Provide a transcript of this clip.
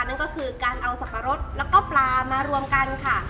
นั่นก็คือการเอาสับปะรดแล้วก็ปลามารวมกันค่ะ